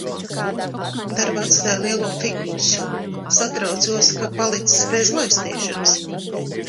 Darbā atstāju lielo fikusu. Satraucos, ka palicis bez laistīšanas.